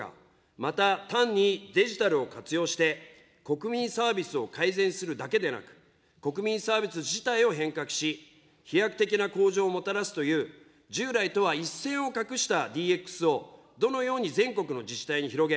また、単にデジタルを活用して、国民サービスを改善するだけでなく、国民サービス自体を変革し、飛躍的な向上をもたらすという、従来とは一線を画したＤＸをどのように全国の自治体に広げ、